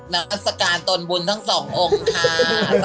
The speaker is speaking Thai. นามัศกาลตนบุญทั้งสององค์ค่ะ